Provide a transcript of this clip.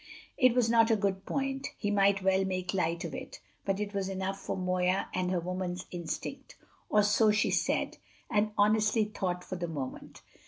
It was not a good point. He might well make light of it. But it was enough for Moya and her woman's instinct; or so she said, and honestly thought for the moment.